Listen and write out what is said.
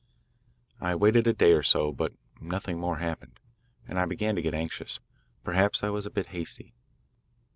"I waited a day or so, but nothing more happened, and I began to get anxious. Perhaps I was a bit hasty.